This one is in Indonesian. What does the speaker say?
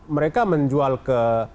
mereka menjual ke